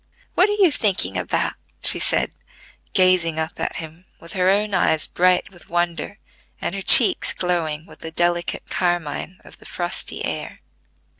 What are you thinking about?" she said, gazing up at him with her own eyes bright with wonder, and her cheeks glowing with the delicate carmine of the frosty air.